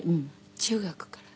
中学から。